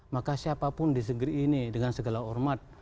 maka siapapun di negeri ini dengan segala hormat